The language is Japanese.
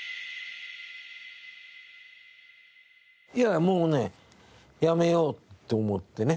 いやあもうねやめようって思ってね